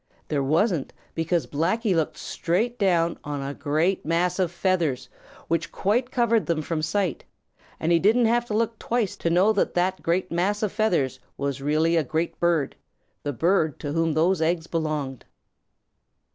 There wasn't because Blacky looked straight down on a great mass of feathers which quite covered them from sight, and he didn't have to look twice to know that that great mass of feathers was really a great bird, the bird to whom those eggs belonged.